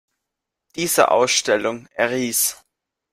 Diese Ausstellung, "Erice.